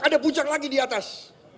ada puncak lagi di atas